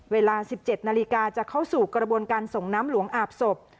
เวลา๑๗นาฬิกาจะเข้าสู่กระบวนการส่งน้ำหลวงอาบศพ